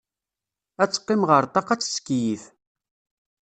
Ad teqqim ɣer ṭṭaq ad tettkeyyif.